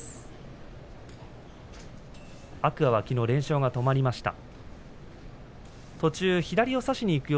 天空海は、きのう連勝が止まりました。